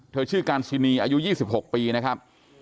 ชื่อการซินีอายุ๒๖ปีนะครับ